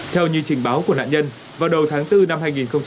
theo như trình báo của nạn nhân vào đầu tháng bốn năm hai nghìn hai mươi